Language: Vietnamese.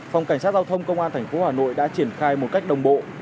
phòng cảnh sát giao thông công an thành phố hà nội đã triển khai một cách đồng bộ